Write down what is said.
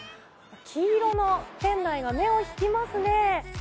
黄色の店内が目を引きますね。